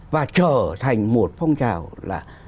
và trở thành một phong trào là